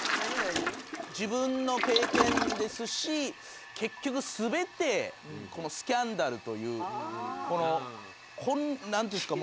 自分の経験ですし結局全てスキャンダルというこのなんていうんですか？